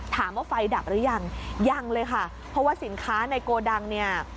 ไฟดับหรือยังยังเลยค่ะเพราะว่าสินค้าในโกดังเนี่ย